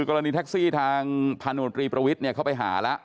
กรณีแท็กซี่ทางภาโนตรีประวิษเข้าไปหาล่ะ